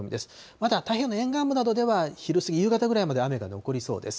まだ太平洋の沿岸部などでは昼過ぎ、夕方ぐらいまで雨が残りそうです。